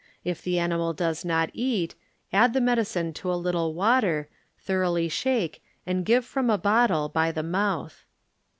If the animal does not eat, add the medicine to a little water, thoroughly shake and give from a bottle by the mouth.